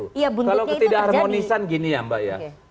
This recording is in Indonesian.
kalau ketidak harmonisan gini ya mbak ya